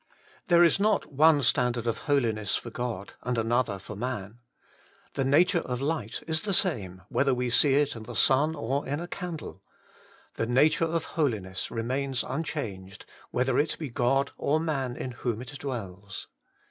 There is not one standard of Holiness for God and another for man. The nature of light is the same, whether we see it in the sun or in a candle : the nature of Holiness remains unchanged, whether it be God or man in whom it dwells.